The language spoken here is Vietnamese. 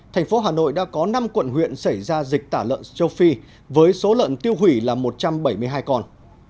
thành phố hà nội đã có năm quận huyện xảy ra dịch tả lợn châu phi với số lợn tiêu hủy là một trăm bảy mươi hai con